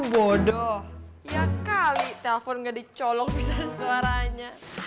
bodoh ya kali telpon gak dicolong bisa ada suaranya